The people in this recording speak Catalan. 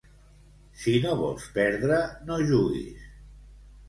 Si no vols perdre, no juguis.